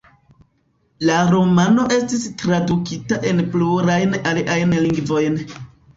La romano estis tradukita en plurajn aliajn lingvojn.